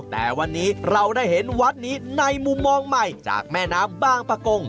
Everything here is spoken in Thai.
แต่วันนี้เราได้เห็นวัดนี้ในมุมมองใหม่จากแม่น้ำบางประกง